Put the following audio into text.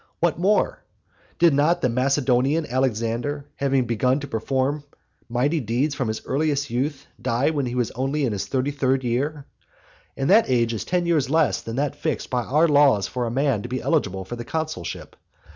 What more? Did not the Macedonian Alexander, having begun to perform mighty deeds from his earliest youth, die when he was only in his thirty third year? And that age is ten years less than that fixed by our laws for a man to be eligible for the consulship.